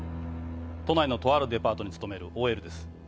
都内のとあるデパートに勤めるＯＬです。